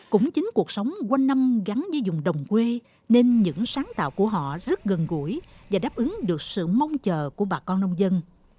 cũng chính cuộc sống quanh năm gắn với dùng đồng quê nên những sáng tạo của họ rất gần gũi và đáp ứng được sự mong chờ của bà con nông dân